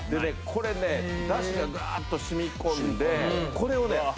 これね出汁がガーッと染み込んでこれをね